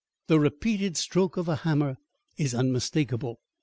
the repeated stroke of a hammer is unmistakable.